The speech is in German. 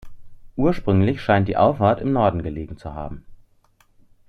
Ursprünglich scheint die Auffahrt im Norden gelegen zu haben.